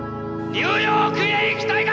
「ニューヨークへ行きたいか！」。